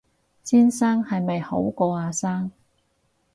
先生係咪好過阿生